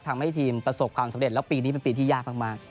ทำให้ทีมประสบความสำเร็จแล้วปีนี้เป็นปีที่ยากมาก